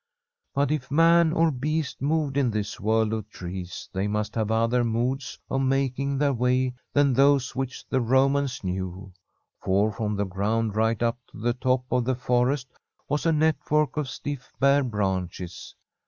But if man or beast moved in this world of trees they must have other modes of making their way than those which the Romans knew, for from the g^und right up to the top of the forest was a network of stiff bare branches.